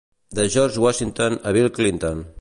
De George Washington a Bill Clinton.